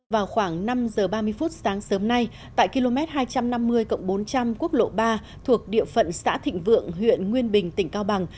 vào khoảng năm h ba mươi phút sáng sớm nay tại km hai trăm năm mươi bốn trăm linh quốc lộ ba thuộc địa phận xã thịnh vượng huyện nguyên bình tỉnh cao bằng